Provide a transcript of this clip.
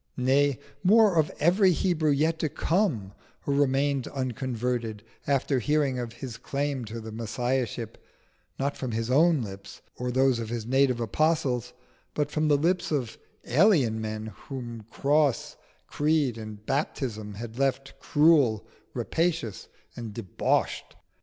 nay, more, of every Hebrew yet to come who remained unconverted after hearing of His claim to the Messiahship, not from His own lips or those of His native apostles, but from the lips of alien men whom cross, creed, and baptism had left cruel, rapacious, and debauched?